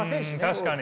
確かに。